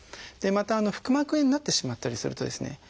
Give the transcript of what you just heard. また腹膜炎になってしまったりするとですね